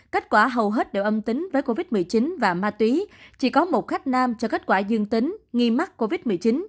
kết quả hầu hết đều âm tính với covid một mươi chín và ma túy chỉ có một khách nam cho kết quả dương tính nghi mắc covid một mươi chín